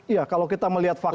iya kalau kita melihat fakta